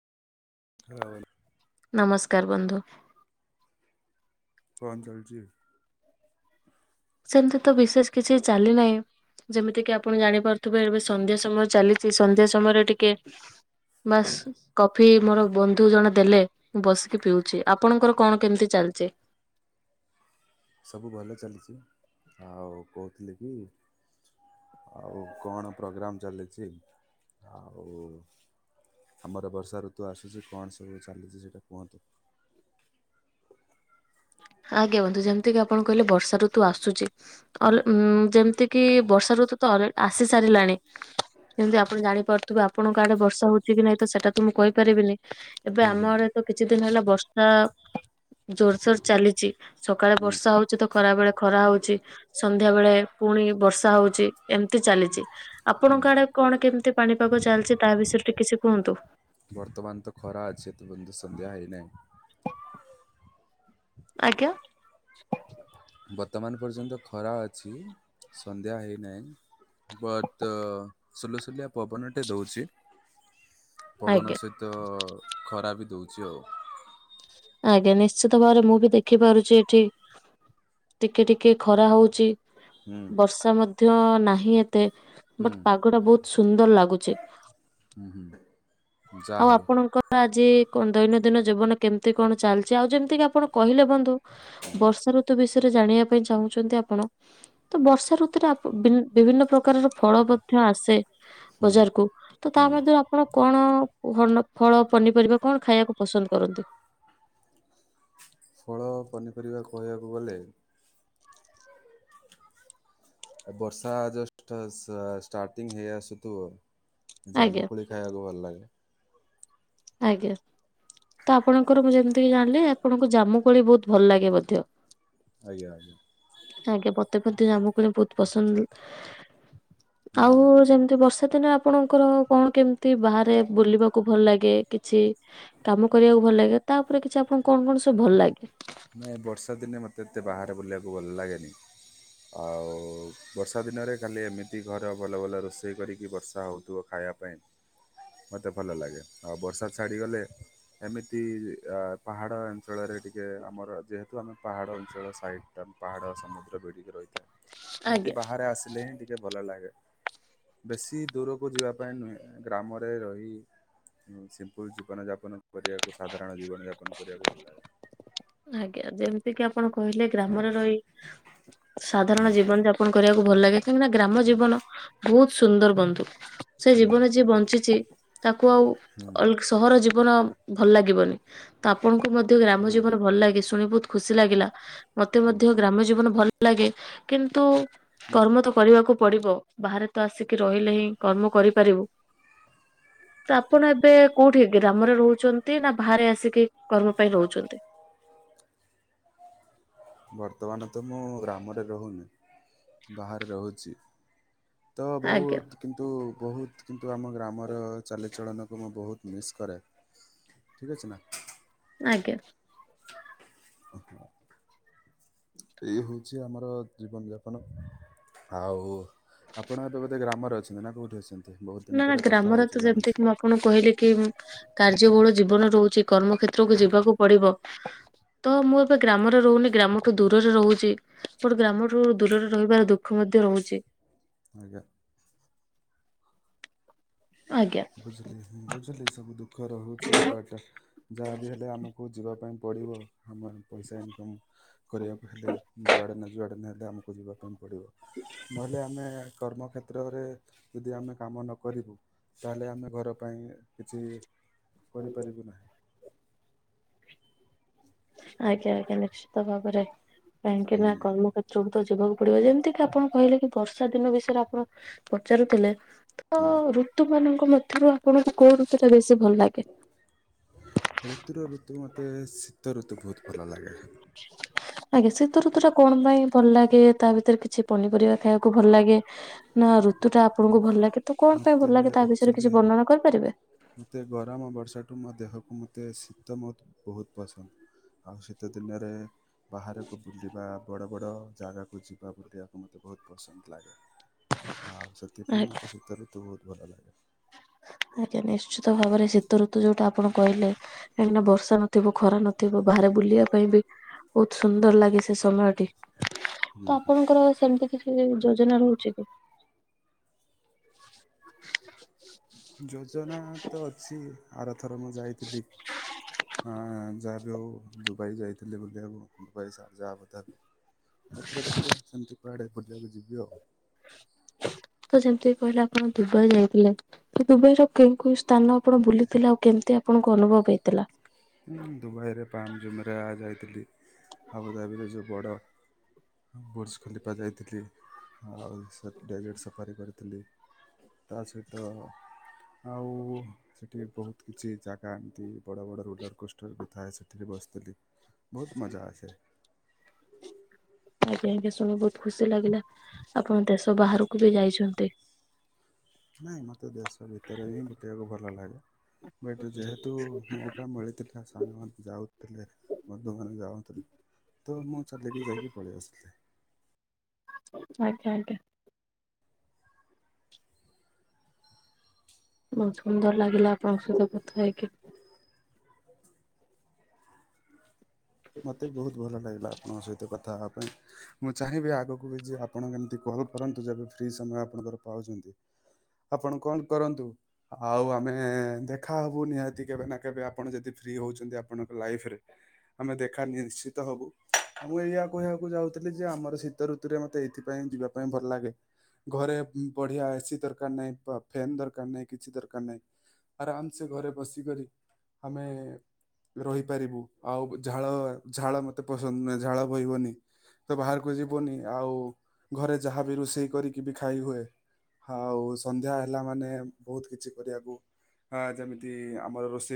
ରାହୁଲ ନମସ୍କାର ବନ୍ଧୁ। ହଁ ଚାଲଛି। ସେମିତି ତ ବିଶେଷ କିଛି ଚାଲି ନାହିଁ ଯେମିତି କିି ଆପଣ ଜାଣିପାରୁଥିବେ ଏବେ ସନ୍ଧ୍ୟା ସମୟ ଚାଲିଛି ସନ୍ଧ୍ୟା ସମୟରେ ଟି ବା କଫି ମୋର ବନ୍ଧୁ ଜଣେ ଦେଲେ। ମୁଁ ବସିକି ପିଉଛି, ଆପଣଙ୍କର କଣ କେମିତି ଚାଲିଛି? ସବୁ ଭଲ ଚାଲିଛି ଆଉ କହୁଥିଲି କି ଆଉ କଣ ପ୍ରୋଗ୍ରାମ ଚାଲିଛି ଆଉ ଆମର ବର୍ଷା ଋତୁ ଆସୁଛି କଣ ସବୁ ଚାଲିଛି ସେଇଟା କୁହନ୍ତୁ। [inaudible] ଆଜ୍ଞା ବନ୍ଧୁ ଯେମିତି କିି ଆପଣ କହିଲେ ବର୍ଷା ଋତୁ ଆସୁଛି। ଅ ହୁଁ ଉ ଯେମିତି କିି ବର୍ଷା ଋତୁ ତ ଅଲ୍ ଆସି ସାରିଲାଣି। କେମତି ଆପଣ ଜାଣିପାରୁଥିବେ ଆପଣଙ୍କ ଆଡେ ବର୍ଷା ହଉଛି କି ନାଇ? ତ ସେଟା ତ ମୁଁ କହିପାରିବିନି ଏବେ ହୁଁ ଆମ ହୁଁ ଆଡେ ତ କିଛି ଦିନ ହେଲା ବର୍ଷା ଜୋରସୋର ଚାଲିଛି ସକାଳେ ହୁଁ ବର୍ଷା ହଉଛି ତ ଖରା ବଳେ ଖରା ହଉଛି ସନ୍ଧ୍ୟା ବଳେ ପୁଣି ବର୍ଷା ହଉଚଛି ଏମିତି ଚାଲିଛି। ହୁଁ ଆପଣଙ୍କ ଆଡେ କଣ କେମିତି ପାଣିପାଗ ଚାଲିଛି ତା ବିଷୟରେ ଟିକେ କିଛି କୁହନ୍ତୁ? ତମାନ ତ ଖରା ଅଛି ତ ବଧୁ ସନ୍ଧ୍ୟା ହେଇ ନାହିଁ। ଆଜ୍ଞା! ବର୍ତ୍ତମାନ ପର୍ଯ୍ୟନ୍ତ ଖରା ଅଛି ସନ୍ଧ୍ୟା ହେଇନାହିଁ। ବଟ ସୁଲୁସୁଲିଆ ପବନଟେ ଦଉଛି। ପବନ ଆଜ୍ଞା ସହିତ ଖରା ବି ଦଉଛି ଆଉ। ଆଜ୍ଞା ନିଶ୍ଚିତ ଭାବରେ ମୁଁ ବି ଦେଖି ପାରୁଛି ଏଠି ଟିକେ ଟିକେ ଖରା ହଉଛି ହୁଁ। ବର୍ଷା ମଧ୍ୟ ନାହିଁ ଏ ମତେ ହୁଁ ବଟ ପାଗ ଟା ବହୁତ ସୁନ୍ଦର ଲାଗୁଛି। ହୁଁ ହୁଁ ଯାହା ଆଉ ହଉ ଆପଣଙ୍କର ଆଜି କଣ ଦୈନନ୍ଦିନ ଜୀବନ କେମିତି କଣ ଚାଲିଛି ଆଉ ଯେମିତି କିି ଆପଣ କହିଲେ ବନ୍ଧୁ, ବର୍ଷା ଋତୁ ବି ଜାଣିବା ପାଇଁ ଚାହୁଁଛନ୍ତି ଆପଣ ତ ବର୍ଷା ଋତୁରେ ବିଭିନ୍ନ ପ୍ରକାରର ଫଳ ମଧ୍ୟ ଆସେ ହୁଁ ବଜାର କୁ ତ ତା ହୁଁ ମଧ୍ୟରୁ ଆପଣ କଣ ଭଲ ଫଳ ପନିପରିବା କଣ ଖାଇବାକୁ ପସନ୍ଦ କରନ୍ତି? ଫଳ ପନିପରିବା କହିବାକୁ ଗଲେ ବର୍ଷା ଜଷ୍ଟ ଷ୍ଟାର୍ଟିଂ ହେଇ ଆସୁ ତୁ ଆଜ୍ଞା ଜାମୁକୋଳି ଖାଇବାକୁ ଭଲ ଲାଗେ। ଆଜ୍ଞା। ତ ଆପଣଙ୍କର ମୁଁ ଯେମିତିକି ଜାଣିଲି ଆପଣଙ୍କୁ ଜାମୁକୋଳି ବହୁତ ଭଲ ଲାଗେ ବୋଧେ? ଆଜ୍ଞା ଆଜ୍ଞା। ଆଜ୍ଞା ମତେ ମଧ୍ଯ ଜାମୁକୋଳି ବହୁତ ପସନ୍ଦ ହୁଁ ଆଉ ଯେମିତି ବର୍ଷାଦିନେ ଆପଣଙ୍କର କଣ କେମିତି ବାହାରେ ବୁଲିବାକୁ ଭଲ ଲାଗେ କି? କିଛି କାମ କରିବାକୁ ଭଲ ଲାଗେ ତା ଉପରେ କିଛି ଆପଣଙ୍କୁ କଣ କଣ ସବୁ ଭଲ ଲାଗେ? ନାଇଁ ବର୍ଷା ଦିନେ ମୋତେ ଏତେ ବାହାରେ ବୁଲିବାକୁ ଭଲ ଲାଗେନି। ଆଉ ବର୍ଷା ଦିନରେ ଖାଲି ଏମିତି ଘର ଭଲଭଲ ରୋଷେଇ କରିକି ବର୍ଷା ହଉଥିବ ଖାଇ ଖାଇବା ପାଇଁ। ମୋତେ ଭଲ ଲାଗେ ଆଉ ବର୍ଷା ଛାଡ଼ିଗଲେ ଏମିତି ପାହାଡ଼ ଅଞ୍ଚଳରେ ଟିକେ ଆମର ଯେହେତୁ ଆମେ ପାହାଡ ଅଞ୍ଚଳ ସାଇଟଟା ପାହାଡ଼ ସମୁଦ୍ର ବେଢ଼ିକି ରହିଥାଏ। ଏମିତି ଆଜ୍ଞା ବାହାରେ ଆସିଲେ ହିଁ ଟିକେ ଭଲ ଲାଗେ। ବେଶୀ ଦୂରକୁ ଯିବା ପାଇଁ ନୁହେଁ ଗ୍ରାମରେ ରହି। ସିମ୍ପୁଲ ଜୀବନ ଯାପନ କରିବାକୁ ସାଧାରଣ ଜୀବନ ଯାପନ କରିବାକୁ ଭଲ ଲାଗେ। ଆଜ୍ଞା ଯେମିତି କିି ଆପଣ କହିଲେ ଗ୍ରାମର ରହି ସାଧାରଣ ଜୀବନଯାପନ କରିବାକୁ ଭଲ ଲାଗେ କାହିଁକି ନା ଗ୍ରାମ ଜୀବନ ବହୁତ ସୁନ୍ଦର ବନ୍ଧୁ ସେ ହୁଁ ଜୀବନ ଯିଏ ବଞ୍ଚିଛି ତାକୁ ଆଉ ହୁଁ ଅଲଗା ସହର ଜୀଵ ଜୀବନ ଭଲ ଲାଗିବନି ତ ଆପଣଙ୍କୁ ମଧ୍ୟ ଗ୍ରାମ ହୁଁ ଜୀବନ ଭଲ ଲାଗେ ଶୁଣି ବହୁତ ଖୁସି ଲାଗିଲା ମତେ ହୁଁ ମଧ୍ୟ ଗ୍ରାମ୍ୟ ଜୀବନ ଭଲ ଲାଗେ କିନ୍ତୁ କର୍ମ ତ କରିବାକୁ ପଡିବ ବାହାରେ ତ ଆସିକି ରହିଲେ ହିଁ କର୍ମ କରିପାରିବୁ। [inaudible] ତ ଆପଣ ଏବେ କୋଉଠି ଗ୍ରାମରେ ରହୁଛନ୍ତି ନା ବାହାରେ ଆସିକି କର୍ମ ପାଇଁ ରହୁଛନ୍ତି। ବର୍ତ୍ତମାନ ତ ମୁଁ ଗ୍ରାମରେ ରହୁନି ବାହାରେ ରହୁଛି। ତ ଆଜ୍ଞା ବହୁତ କିନ୍ତୁ ବହୁତ କିନ୍ତୁ ଆମ ଗ୍ରାମର ଚାଲିଚଳନକୁ ମୁଁ ବହୁତ ମିସ୍ କରେ ଠିକ ଅଛି ମାମ ଆଜ୍ଞା। [inaudible] ଏଇ ହଉଛି ଆମର ଜୀବନଯାପନ ଆଉ ଆପଣ ଏବେ ବୋଧେ ଗ୍ରାମରେ ଅଛନ୍ତି ନା କେଉଁଠି ଅଛନ୍ତି? ବହୁତ ଦିନ ନାଁ ନାଁ ପରେ କଥା ଗ୍ରାମର ହଉଛୁ ତ ଯେମିତି ଜାଣୁଛି କି ମୁଁ ଆପଣଙ୍କୁ କହିଲି କି କାର୍ଯ୍ୟବହୁଳ ଜୀବନ ରହୁଛି କର୍ମକ୍ଷେତ୍ରକୁ ଯିବାକୁ ପଡିବ ତ ମୁଁ ଏବେ ଗ୍ରାମରେ ରହୁନି ଗ୍ରାମଠୁ ଦୂରରେ ରହୁଛି ଗୋଟେ ଗ୍ରାମଠୁ ଦୂରରେ ରହିବାର ଦୁଃଖ ମ ମଧ୍ୟ ରହୁଛି ଆଜ୍ଞା। ଆଜ୍ଞା। ବୁଝିଲି ବୁଝିଲି ସବୁ ଦୁଃଖ ରହୁଛି ବଟ ଯାହାବି ହେଲେ ଆମକୁ ଯିବା ପାଇଁ ପଡ଼ିବ ଆମେ ପଇସା ଇନକମ୍ କରିବାକୁ ହେଲେ ଯୁଆଡ଼େନା ଯୁଆଡ଼େନା ହେଲେ ଆମକୁ ଯିବା ପାଇଁ ପଡିବ ପଡିବ ନହେଲେ ଆମେ କର୍ମକ୍ଷେତ୍ରରେ ଯଦି ଆମେ କାମ ନ କରିବୁ ତାହେଲେ ଆମେ ଘର ପାଇଁ କିଛିବି କରିପାରିବୁ ନାହିଁ। ଆଜ୍ଞା ଆଜ୍ଞା ନିଶ୍ଚିତ ଭାବରେ କାହିଁକି ନା ହୁଁ କର୍ମକ୍ଷେତ୍ରକୁ ତ ଯିବାକୁ ପଡିବ ଯେମିତି କି ଆପଣ କହିଲେ କି ବର୍ଷା ଦିନ ବିଷୟରେ ଆପଣ ପଚାରୁଥିଲେ ତ ହୁଁ ଋତୁ ମାନଙ୍କ ମଧ୍ୟ ରୁ ଆପଣଙ୍କୁ କୋଉ ଋତୁ ଟା ବେଶୀ ଭଲ ଲାଗେ? ତ ଋତୁ ବହୁତ ଭଲ ଲାଗେ। ଆଜ୍ଞା ଶୀତ ଋତୁ ଟା କଣ ପାଇଁ ଭଲ ଲାଗେ ତା ଭିତରେ କିଛି ପନିପରିବା ଖାଇବାକୁ ଭଲ ଲାଗେ ନା? ଋତଟା ଆପଣଙ୍କୁ ଭଲ ଲାଗେ। ତ କଣ ପାଇଁ ଭଲ ମୋତେ ଲାଗେ ତା ବିଷୟରେ ଅକ୍ଚୁଆଲୀ କିଛି ବର୍ଣ୍ଣନା କରିପାରିବେ? ମୋତେ ଗରମ ବର୍ଷା ମୋ ଦେହକୁ ମୋତେ ଶୀତ ମତେ ବହୁତ ପସନ୍ଦ ଆଉ ଶୀତ ଦିନରେ ବାହାରକୁ ବୁଲିବା ବଡ ବଡ ଜାଗାକୁ ଯିବା ବୁଲିବାକୁ ମୋତେ ବହୁତ ପସନ୍ଦ ଲାଗେ। ଆଉ ସେଥିପାଇଁ ଆଜ୍ଞା ମୋତେ ସେ ତୁ ବହୁତ୍ ଭଲ ଲାଗେ। ଆଜ୍ଞା ନିଶ୍ଚିତ ଭାବରେ ଶୀତଋତ ଯୋଉଟା ଆପଣ କହିଲେ କାହିଁକି ନା ବର୍ଷା ନଥିବ ଖରା ନଥିବ। ବା ବାହାରେ ବୁଲିବା ପାଇଁ ବି ବହୁତ୍ ସୁନ୍ଦର ଲାଗେ ସେ ସମୟଟି। ତ ଆପଣଙ୍କର ସେମିତି କିଛି ଯୋଜନା ରହୁଛି କି? ଯୋଜନା ତ ଅଛି ଆରଥର ମୁଁ ଯାଇଥିଲି। ଆଁ ଯା ଯୋଉ ଦୁବାଇ ଯାଇଥିଲି ବୁଲିବାକୁ। ଦୁବାଇ ଇସା ଯାହା ଅବ ତା ଏଥର ଦେଖିବା ସେମିତି କୁଆଡେ ବୁଲିବାକୁ ଯିବି ଆଉ। ତ ଯେମିତି କହିଲେ ଆପଣ ଦୁବାଇ ଯାଇଥିଲେ। କି ଦୁବାଇ ର କେଉ କୋଉ ସ୍ଥାନ ଆପଣ ବୁଲିଥିଲେ। ଆଉ କେ କେମତି ଆପଣଙ୍କୁ ଅନୁଭବ ହେଇଥିଲା। ଦୁବାଇରେ ପାଞ୍ଚ ଜୁନ୍ ରେ ଯାଇଥିଲି। ଆବୁଧାବିରେ ଯେଉଁ ବଡ ବୋର୍ସ ଖଲିପା ଯାଇଥିଲି। ଆଉ ଡେଜର୍ଟ ସଫାରି କରିଥିଲି। ତା ସହିତ ଆଉ ସେଠି ବହୁତ କିଛି ଜାଗା ଏମିତି ବଡ ବଡ ରୁଲର କୋଷ୍ଠରେ ବି ଥାଏ। ସେଠିରେ ବସିଥିଲି ବହୁତ ମଜା ଆସେ। ଉଁ ହୁଁ। ଆଜ୍ଞା ଆଜ୍ଞା ଶୁଣି ବହୁତ ଖୁସି ଲାଗିଲା। ଆପଣ ଦେଶ ବାହାରକୁ ବି ଯାଇଛନ୍ତି। ନାଇଁ ମୋତେ ଦେଶ ଭିତରେ ହିଁ ବୁଟିବାକୁ ଭଲ ଲାଗେ। ବଟ୍ ଯେହେତୁ ମୌକା ମିଳିଥିଲା ସାଙ୍ଗମାନେ ଯାଉଥିଲେ। ବନ୍ଧୁମାନେ ଯାଉଥିଲେ। ତ ମୁଁ ଚାଲିକି ଯାଇକି ପଳି ଆସିଥିଲି। ଆଜ୍ଞା ଆଜ୍ଞା। ବତ ସୁନ୍ଦର ଲାଗିଲା ଆପଣଙ୍କ ସହିତ କଥା ହେଇକି। ମୋତେ ବହୁତ ଭଲ ଲାଗିଲା ଆପଣଙ୍କ ସହିତ କଥା ହେବା ପାଇଁ। ମୁଁ ଚାହିଁବି ଆଗକୁ ବି ଯ ଆପଣ ଏମିତି କଲ୍ କରନ୍ତୁ। ଯେବେ ଫ୍ରି ସମୟ ଆପଣଙ୍କର ପାଉଛନ୍ତି। ଆପଣ କଣ କରନ୍ତୁ। ଆଉ ଆମେ ଦେଖାହବୁ ନିହାତି କେବେ ନା କେବେ ଆପଣ ଯଦି ଫ୍ରି ହଉଛନ୍ତି ଆପଣଙ୍କ ଲାଇଫରେ। ଆମେ ଦେଖା ନିଶ୍ଚିତ ହବୁ। ମୁଁ ଏଇଆ କହିବାକୁ ଯାଉଥିଲି ଯେ ଆମର ଶୀତ ଋତୁରେ ମତେ ଏଇଥିପାଇଁ ଯିବା ପାଇଁ ଭଲ ଲାଗେ। ଘରେ ବଢିଆ ଏସି ଦରକାର ନାହିଁ। ବ ଫେନ୍ ଦରକାର ନାହିଁ କିଛି ଦରକାର ନାହିଁ। ଆରାମ ସେ ଘରେ ବସିକରି ଆମେ ରହିପାରିବୁ। ଆଉ ଝାଳ ଝାଳ ମତେ ପସନ୍ଦ ନୁହେଁ। ଝାଳ ବହିବନି। ତ ବାହାରକୁ ଯିବୁନି। ଆଉ ଘରେ ଯାହାବି ରୋଷେଇ କରିକି ବି ଖାଇ ହୁଏ। ଆଉ ସନ୍ଧ୍ୟା ହେଲା ମାନେ ବହୁତ କିଛି କରିବାକୁ ଆ ଯେମିତି ଆମର ରୋଷେଇ